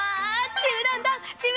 ちむどんどん！